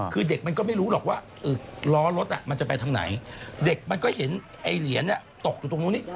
คือเด็กมันก็ไม่รู้หรอกว่าล้อรถมันจะไปทางไหนเด็กมันก็เห็นไอ้เหรียญตกอยู่ตรงนู้นนี้